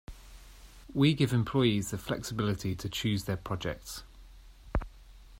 We give employees the flexibility to choose their projects.